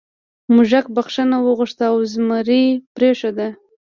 موږک بخښنه وغوښته او زمري پریښود.